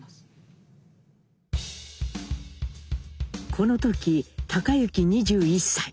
この時隆之２１歳。